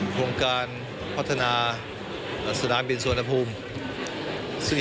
โครงการพัฒนาสนามบินสุวรรณภูมิ